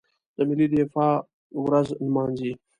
د ملي دفاع ورځ نمانځي.